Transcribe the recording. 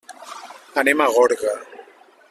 Anem a Gorga.